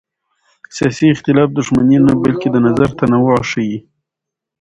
سیاسي اختلاف دښمني نه بلکې د نظر تنوع ښيي